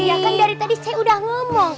iya kan dari tadi saya udah ngomong